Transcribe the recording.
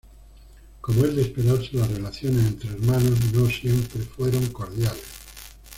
Como es de esperarse las relaciones entre hermanos no siempre fueron cordiales.